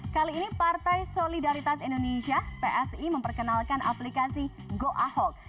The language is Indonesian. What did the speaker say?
kali ini partai solidaritas indonesia psi memperkenalkan aplikasi goahok